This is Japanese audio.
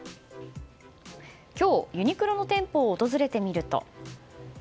今日、ユニクロの店舗を訪れてみると。